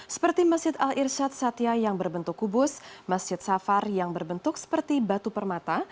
seperti masjid al irshad satya yang berbentuk kubus masjid safar yang berbentuk seperti batu permata